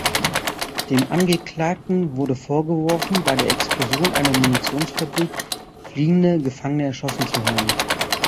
Dem Angeklagten wurde vorgeworfen, bei der Explosion einer Munitionsfabrik fliehende Gefangene erschossen zu haben.